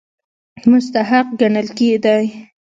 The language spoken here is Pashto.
مستحق ګڼل کېدی.